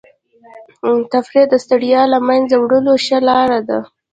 تفریح د ستړیا د له منځه وړلو ښه لاره ده.